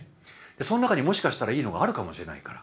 その中にもしかしたらいいのがあるかもしれないから。